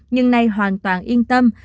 nhưng nay hoàn toàn yên tâm